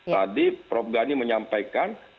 tadi prof gani menyampaikan